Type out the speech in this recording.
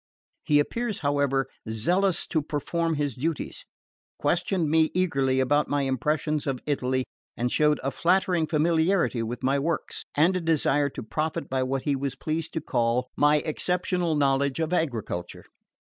He appears, however, zealous to perform his duties; questioned me eagerly about my impressions of Italy, and showed a flattering familiarity with my works, and a desire to profit by what he was pleased to call my exceptional knowledge of agriculture.